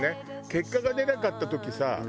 結果が出なかった時さ